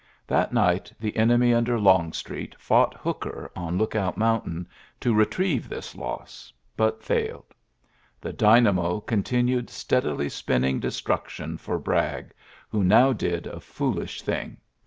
That night the enemy under Longstreet fonght Hooker on Lookout Mountain to retrieve this loss, but fidled. The dynamo continued steadily spinning destruction for Bragg, who now did a foolish thing.